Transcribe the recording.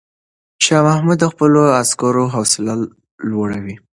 شاه محمود د خپلو عسکرو حوصله لوړوي.